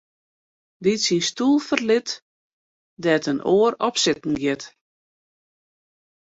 Dy't syn stoel ferlit, dêr't in oar op sitten giet.